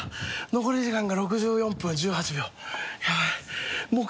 残り時間が６４分１８秒。